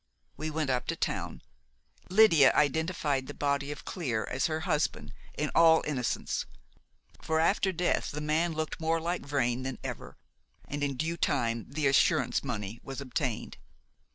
We went up to town: Lydia identified the body of Clear as her husband in all innocence for after death the man looked more like Vrain than ever; and in due time the assurance money was obtained.